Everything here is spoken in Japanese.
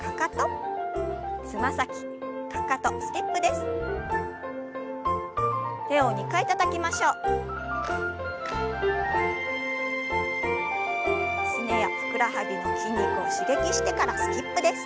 すねやふくらはぎの筋肉を刺激してからスキップです。